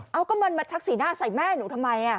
เอาก็มันมาชักสีหน้าใส่แม่หนูทำไม